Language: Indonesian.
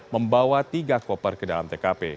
membawa tiga koper ke dalam tkp